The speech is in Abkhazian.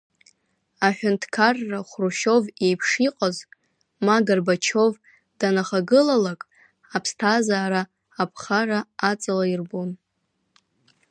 Аҳәынҭқарра Хрушьов иеиԥш иҟаз, ма Горбачиов данахагылалак, аԥсҭазаара аԥхара аҵала ирбон.